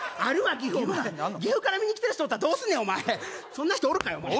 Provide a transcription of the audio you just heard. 岐阜から見に来てる人おったらどうすんねんお前そんな人おるかよお前！